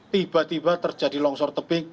tiba tiba terjadi longsor tebing